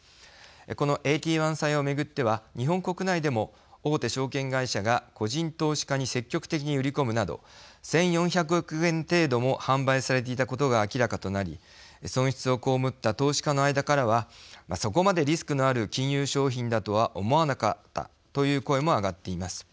このＡＴ１債を巡っては日本国内でも大手証券会社が個人投資家に積極的に売り込むなど１，４００億円程度も販売されていたことが明らかとなり損失を被った投資家の間からはそこまでリスクのある金融商品だとは思わなかったという声も上がっています。